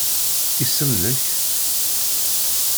Isem-nnek?